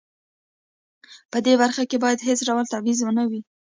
په دې برخه کې باید هیڅ ډول تبعیض نه وي.